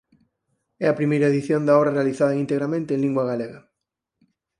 É a primeira edición da obra realizada integramente en lingua galega.